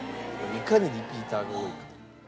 いかにリピーターが多いか。